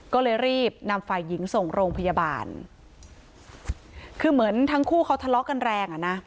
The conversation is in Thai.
ก็เลยรีบนำฝ่ายหญิงส่งโรงพยาบาลคือเหมือนทั้งคู่เขาทะเลาะกันแรงอ่ะนะ